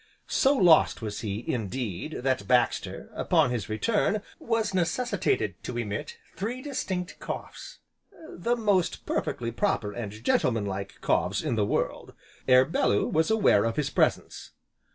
So lost was he, indeed, that Baxter, upon his return was necessitated to emit three distinct coughs, (the most perfectly proper, and gentleman like coughs in the world) ere Bellew was aware of his presence.